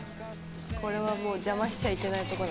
これはもう邪魔しちゃいけないとこなんだな。